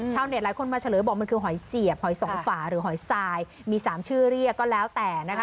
หลายคนมาเฉลยบอกมันคือหอยเสียบหอยสองฝาหรือหอยทรายมี๓ชื่อเรียกก็แล้วแต่นะคะ